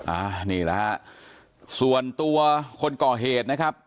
อ่านี่แหละฮะส่วนตัวคนก่อเหตุนะครับ